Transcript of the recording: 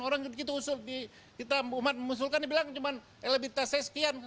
orang gitu gitu usul di umat musul kan dibilang cuma elebitasi sekian